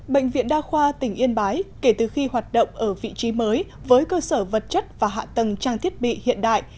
bệnh viện đa khoa tỉnh yên bái kể từ khi hoạt động ở vị trí mới với cơ sở vật chất và hạ tầng trang thiết bị hiện đại